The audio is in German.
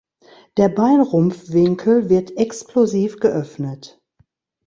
Der Bein-Rumpf-Winkel wird explosiv geöffnet.